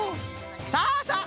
さあさあ